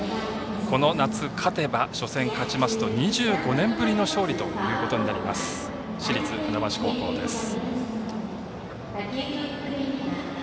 この夏、勝てば初戦勝ちますと２５年ぶりの勝利となります市立船橋高校です。